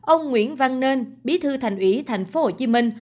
ông nguyễn văn nên bí thư thành ủy thành phố hồ chí minh